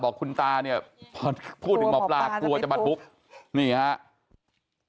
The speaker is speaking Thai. บอกคุณตาเนี่ยพูดถึงหมอปลากลัวจะบัดปุ๊บนี่ครับ